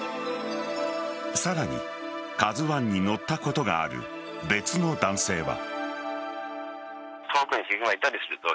さらに「ＫＡＺＵ１」に乗ったことがある別の男性は。